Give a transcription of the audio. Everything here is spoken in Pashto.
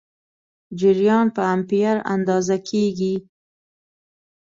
جریان په امپیر اندازه کېږي.